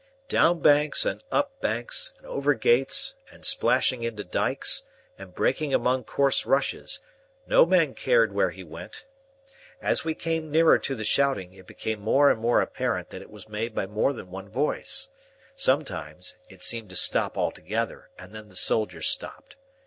Down banks and up banks, and over gates, and splashing into dikes, and breaking among coarse rushes: no man cared where he went. As we came nearer to the shouting, it became more and more apparent that it was made by more than one voice. Sometimes, it seemed to stop altogether, and then the soldiers stopped.